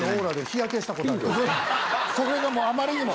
それがあまりにも？